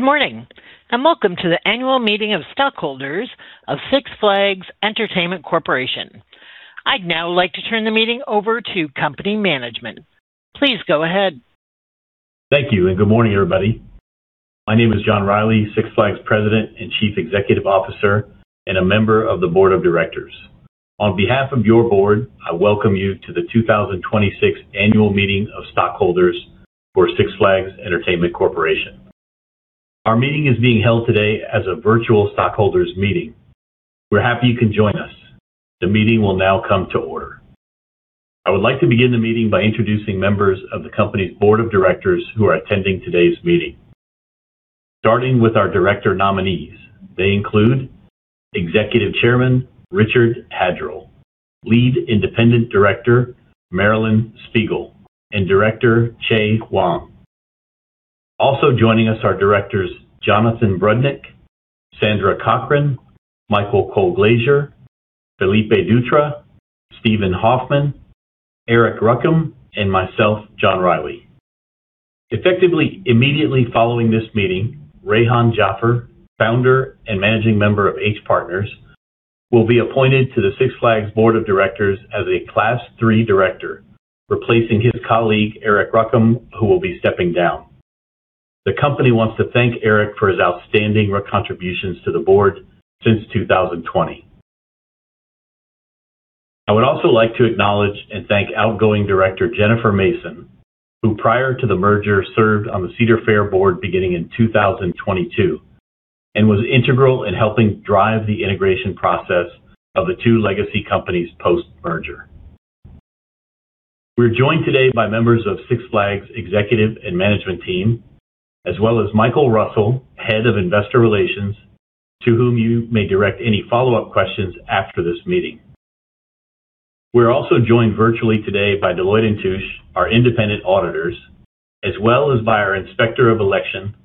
Good morning. Welcome to the annual meeting of stockholders of Six Flags Entertainment Corporation. I'd now like to turn the meeting over to company management. Please go ahead. Thank you. Good morning, everybody. My name is John Reilly, Six Flags President and Chief Executive Officer, and a member of the board of directors. On behalf of your board, I welcome you to the 2026 annual meeting of stockholders for Six Flags Entertainment Corporation. Our meeting is being held today as a virtual stockholders meeting. We're happy you can join us. The meeting will now come to order. I would like to begin the meeting by introducing members of the company's board of directors who are attending today's meeting. Starting with our director nominees, they include Executive Chairman Richard Haddrill, Lead Independent Director Marilyn Spiegel, and Director Chieh Huang. Also joining us are directors Jonathan Brudnick, Sandra Cochran, Michael Colglazier, Felipe Dutra, Steven Hoffman, Arik Ruchim, and myself, John Reilly. Effectively immediately following this meeting, Rehan Jaffer, founder and managing member of H Partners, will be appointed to the Six Flags board of directors as a Class III director, replacing his colleague, Arik Ruchim, who will be stepping down. The company wants to thank Arik for his outstanding contributions to the board since 2020. I would also like to acknowledge and thank outgoing director Jennifer Mason, who prior to the merger, served on the Cedar Fair board beginning in 2022 and was integral in helping drive the integration process of the two legacy companies post-merger. We're joined today by members of Six Flags' executive and management team, as well as Michael Russell, Head of Investor Relations, to whom you may direct any follow-up questions after this meeting. We're also joined virtually today by Deloitte & Touche, our independent auditors, as well as by our Inspector of Election,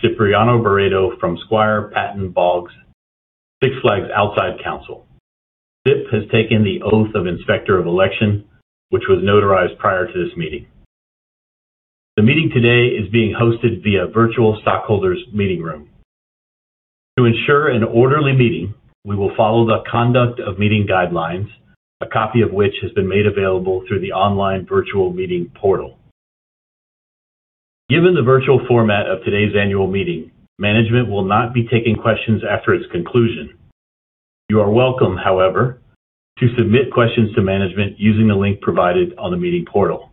Cipriano Beredo from Squire Patton Boggs, Six Flags' outside counsel. Cip has taken the oath of Inspector of Election, which was notarized prior to this meeting. The meeting today is being hosted via virtual stockholders meeting room. To ensure an orderly meeting, we will follow the conduct of meeting guidelines, a copy of which has been made available through the online virtual meeting portal. Given the virtual format of today's annual meeting, management will not be taking questions after its conclusion. You are welcome, however, to submit questions to management using the link provided on the meeting portal.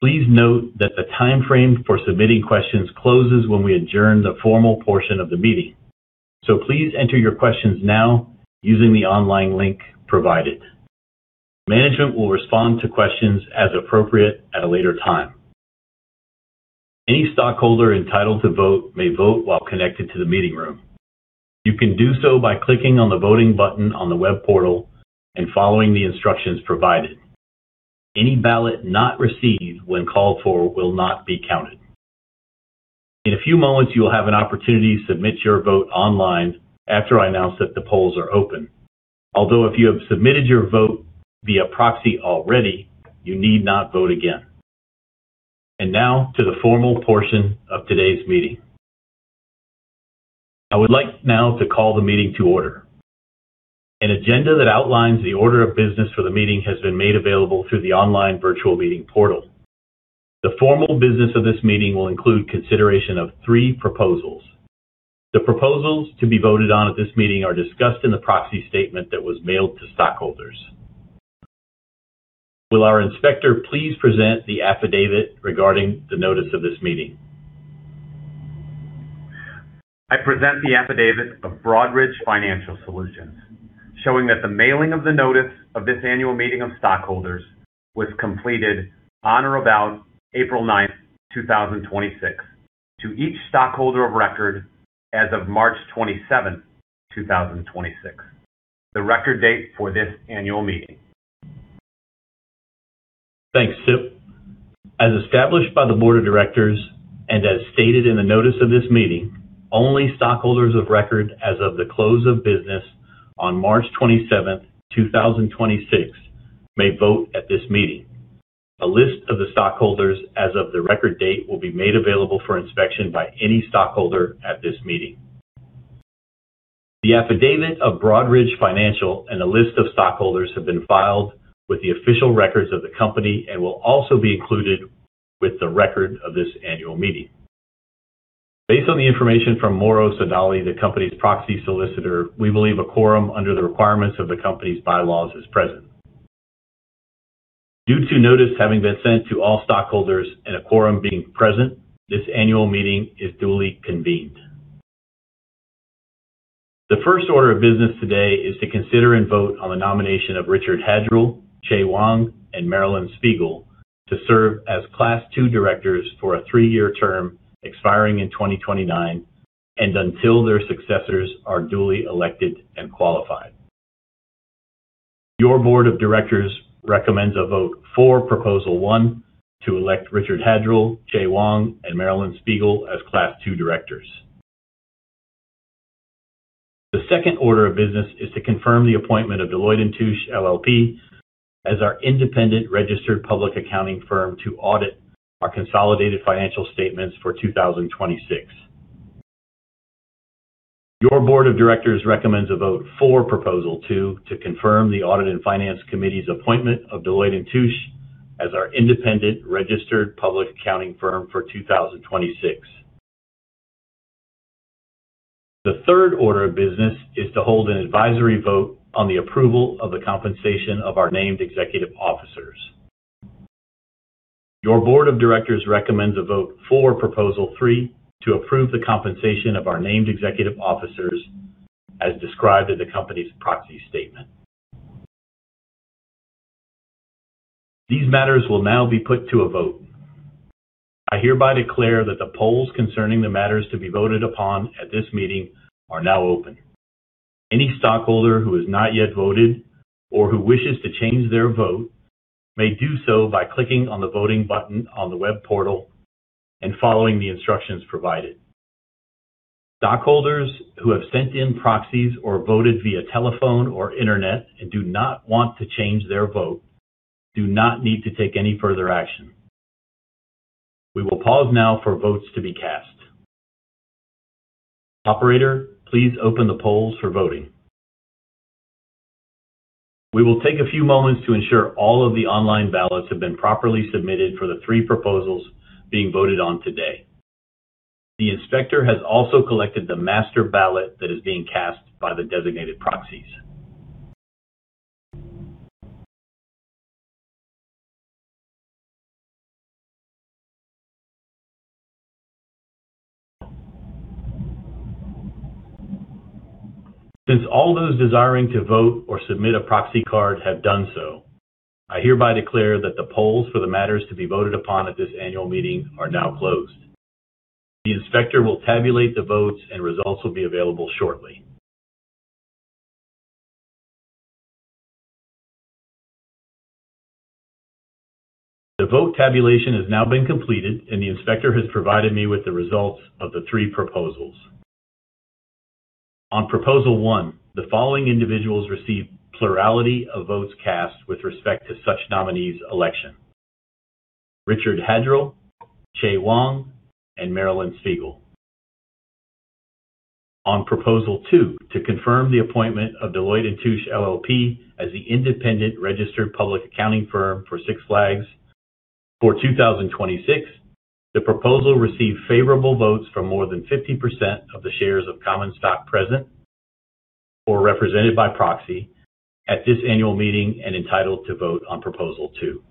Please note that the timeframe for submitting questions closes when we adjourn the formal portion of the meeting. Please enter your questions now using the online link provided. Management will respond to questions as appropriate at a later time. Any stockholder entitled to vote may vote while connected to the meeting room. You can do so by clicking on the voting button on the web portal and following the instructions provided. Any ballot not received when called for will not be counted. In a few moments, you'll have an opportunity to submit your vote online after I announce that the polls are open. If you have submitted your vote via proxy already, you need not vote again. Now to the formal portion of today's meeting. I would like now to call the meeting to order. An agenda that outlines the order of business for the meeting has been made available through the online virtual meeting portal. The formal business of this meeting will include consideration of three proposals. The proposals to be voted on at this meeting are discussed in the proxy statement that was mailed to stockholders. Will our inspector please present the affidavit regarding the notice of this meeting? I present the affidavit of Broadridge Financial Solutions, showing that the mailing of the notice of this annual meeting of stockholders was completed on or about April 9th, 2026, to each stockholder of record as of March 27th, 2026, the record date for this annual meeting. Thanks, Cip. As established by the board of directors and as stated in the notice of this meeting, only stockholders of record as of the close of business on March 27, 2026, may vote at this meeting. A list of the stockholders as of the record date will be made available for inspection by any stockholder at this meeting. The affidavit of Broadridge Financial and a list of stockholders have been filed with the official records of the company and will also be included with the record of this annual meeting. Based on the information from Morrow Sodali, the company's proxy solicitor, we believe a quorum under the requirements of the company's bylaws is present. Due to notice having been sent to all stockholders and a quorum being present, this annual meeting is duly convened. The first order of business today is to consider and vote on the nomination of Richard Haddrill, Chieh Huang, and Marilyn Spiegel to serve as Class II directors for a three-year term expiring in 2029 and until their successors are duly elected and qualified. Your board of directors recommends a vote for Proposal 1 to elect Richard Haddrill, Chieh Huang, and Marilyn Spiegel as Class II directors. The second order of business is to confirm the appointment of Deloitte & Touche LLP as our independent registered public accounting firm to audit our consolidated financial statements for 2026. Your board of directors recommends a vote for Proposal two to confirm the Audit and Finance Committee's appointment of Deloitte & Touche as our independent registered public accounting firm for 2026. The third order of business is to hold an advisory vote on the approval of the compensation of our named executive officers. Your board of directors recommends a vote for Proposal three to approve the compensation of our named executive officers as described in the company's proxy statement. These matters will now be put to a vote. I hereby declare that the polls concerning the matters to be voted upon at this meeting are now open. Any stockholder who has not yet voted or who wishes to change their vote may do so by clicking on the voting button on the web portal and following the instructions provided. Stockholders who have sent in proxies or voted via telephone or internet and do not want to change their vote do not need to take any further action. We will pause now for votes to be cast. Operator, please open the polls for voting. We will take a few moments to ensure all of the online ballots have been properly submitted for the three proposals being voted on today. The inspector has also collected the master ballot that is being cast by the designated proxies. Since all those desiring to vote or submit a proxy card have done so, I hereby declare that the polls for the matters to be voted upon at this annual meeting are now closed. The inspector will tabulate the votes and results will be available shortly. The vote tabulation has now been completed and the inspector has provided me with the results of the three proposals. On Proposal one, the following individuals received plurality of votes cast with respect to such nominees' election: Richard Haddrill, Chieh Huang, and Marilyn Spiegel. On Proposal two, to confirm the appointment of Deloitte & Touche LLP as the independent registered public accounting firm for Six Flags for 2026, the proposal received favorable votes from more than 50% of the shares of common stock present or represented by proxy at this annual meeting and entitled to vote on Proposal two.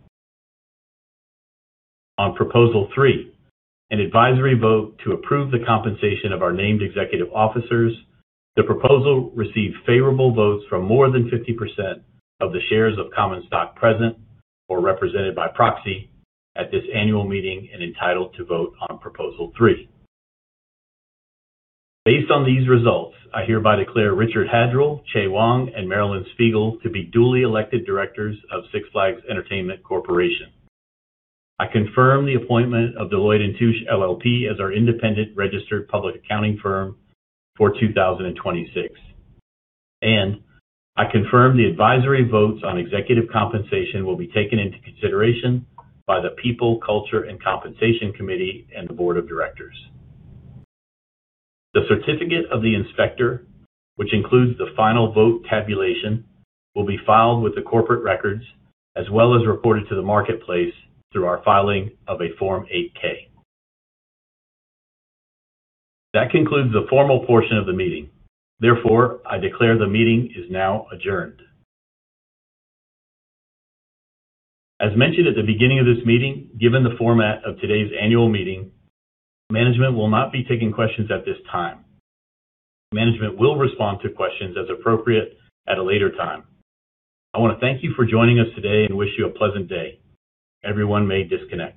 On Proposal three, an advisory vote to approve the compensation of our named executive officers, the proposal received favorable votes from more than 50% of the shares of common stock present or represented by proxy at this annual meeting and entitled to vote on Proposal three. Based on these results, I hereby declare Richard Haddrill, Chieh Huang, and Marilyn Spiegel to be duly elected directors of Six Flags Entertainment Corporation. I confirm the appointment of Deloitte & Touche LLP as our independent registered public accounting firm for 2026, and I confirm the advisory votes on executive compensation will be taken into consideration by the People, Culture & Compensation Committee and the board of directors. The certificate of the inspector, which includes the final vote tabulation, will be filed with the corporate records as well as reported to the marketplace through our filing of a Form 8-K. That concludes the formal portion of the meeting. Therefore, I declare the meeting is now adjourned. As mentioned at the beginning of this meeting, given the format of today's annual meeting, management will not be taking questions at this time. Management will respond to questions as appropriate at a later time. I want to thank you for joining us today and wish you a pleasant day. Everyone may disconnect.